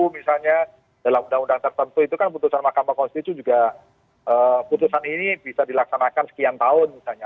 misalnya dalam undang undang tertentu itu kan putusan mahkamah konstitusi juga putusan ini bisa dilaksanakan sekian tahun misalnya